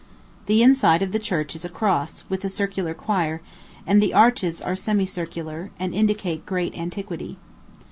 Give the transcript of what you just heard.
The inside of the church is a cross, with a circular choir; and the arches are semi circular, and indicate great antiquity.